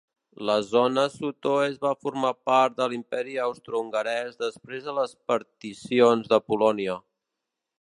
La zona sud-oest va formar part de l'Imperi Austrohongarès després de les particions de Polònia.